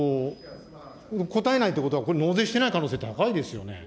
答えないということは、これ、納税してない可能性高いですよね。